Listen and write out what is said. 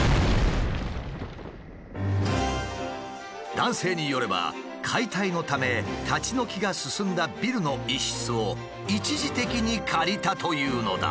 男性によれば解体のため立ち退きが進んだビルの一室を一時的に借りたというのだ。